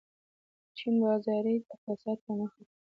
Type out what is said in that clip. چین بازاري اقتصاد ته مخه کړه.